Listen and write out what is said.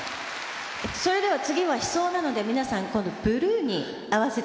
「それでは次は『悲愴』なので皆さん今度ブルーに合わせて頂きましょうか」